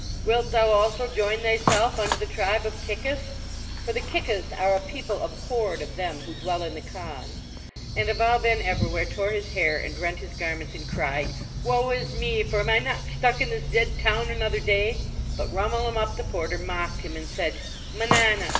Wilt thou also join thyself unto the tribe of Kickahs?" 2 33 THE LEGEND OF THE GOOD DRUMMUH For the Kickahs are a people abhorred of them who dwell in the kahns. And Abou Ben Evrawhair tore his hair and rent his garments, and cried: 1 Woe is me, for am I not stuck in this dead town another day? " But Rhumul em Uhp the Porter mocked him and said : "Manana!